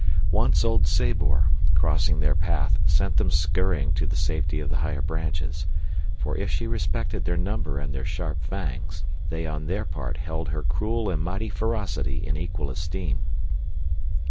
Once old Sabor, crossing their path, sent them scurrying to the safety of the higher branches, for if she respected their number and their sharp fangs, they on their part held her cruel and mighty ferocity in equal esteem.